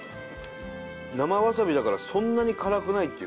生わさびだからそんなに辛くないっていうか。